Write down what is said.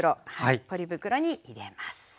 ポリ袋に入れます。